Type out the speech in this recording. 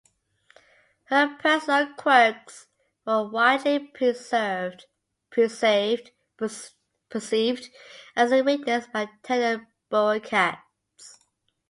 Her personal quirks were widely perceived as a weakness by tenured bureaucrats.